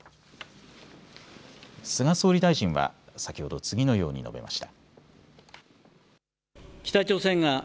菅総理大臣は先ほど次のように述べました。